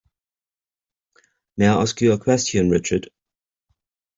May I ask you a question, Richard?